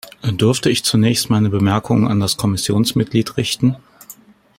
Dürfte ich zunächst meine Bemerkungen an das Kommissionsmitglied richten?